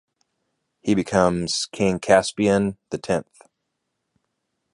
He becomes King Caspian the Tenth.